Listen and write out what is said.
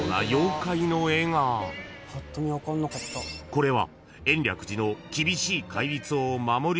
［これは］